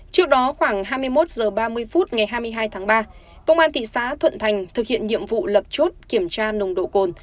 trước đó khoảng hai mươi một h ba mươi phút ngày hai mươi hai tháng ba công an thị xã thuận thành thực hiện nhiệm vụ lập chốt kiểm tra nồng độ cồn